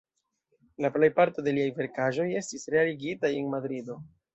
La plejparto de liaj verkaĵoj estis realigitaj en Madrido.